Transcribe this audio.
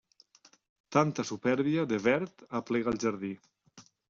Tanta supèrbia de verd aplega al jardí.